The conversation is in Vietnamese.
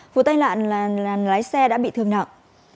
vụ tay lạn là lái xe đã bị thương nặng